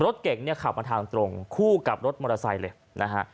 รถเก่งเนี่ยขับมาทางตรงคู่กับรถมอเตอร์ไซค์เลยนะฮะ